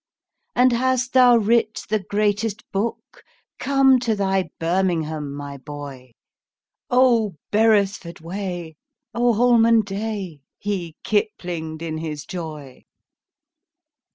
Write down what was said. "And hast thou writ the greatest book? Come to thy birmingham, my boy! Oh, beresford way! Oh, holman day!" He kiplinged in his joy.